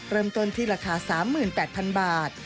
เริ่มต้นที่ราคา๓๘๐๐๐บาท